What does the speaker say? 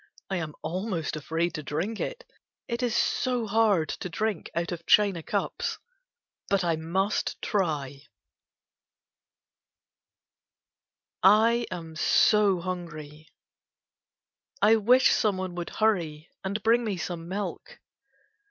I am almost afraid to diink it. It is so hard to drink out of china cups. But I must try. 74 KITTENS AND CATS I AM SO HUNGRY I wish some one would hurry and bring me some milk.